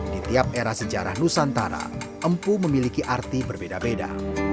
di tiap era sejarah nusantara empu memiliki arti berbeda beda